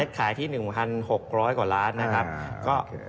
เน็ตขายที่๑๖๐๐ล้านกว่าลาทนะครับ